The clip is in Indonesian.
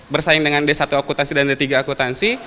bersaing dengan d satu akutasi dan d tiga akutansi